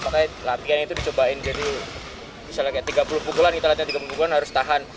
makanya latihan itu dicobain jadi misalnya kayak tiga puluh pukulan kita latihan tiga puluh pukulan harus tahan